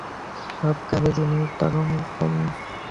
সব কাজে যিনি পারঙ্গম।